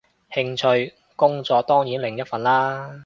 興趣，工作當然另一份啦